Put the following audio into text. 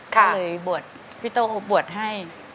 ก็เลยพี่โต้บวชให้